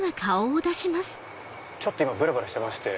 ちょっと今ぶらぶらしてまして。